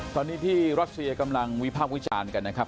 ตอนนี้ที่รัสเซียกำลังวิภาควิจารณ์กันนะครับ